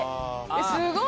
すごい！